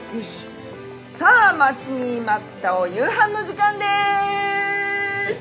さあ待ちに待ったお夕飯の時間です！